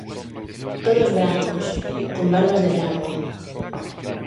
–Todos brancos, con barbas de branco.